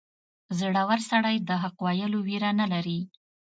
• زړور سړی د حق ویلو ویره نه لري.